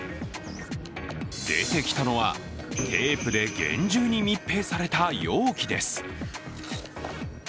出てきたのは、テープで厳重に密閉された容器です。